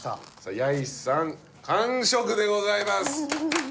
ヤイさん完食でございます。